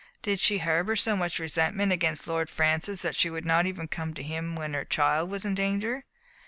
Did she harbor so much resentment against Lord Francis, that she would not even come to him when their child was in danger?